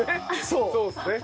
そうっすね。